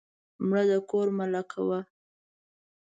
مړه د کور ملکه وه